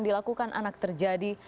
dilakukan anak terjadi